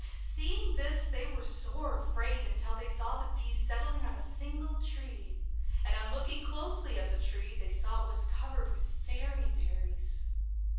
Seeing this they were sore afraid until they saw the bees settling on a single tree, and on looking closely at the tree they saw it was covered with fairy berries.